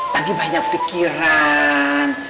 lagi banyak pikiran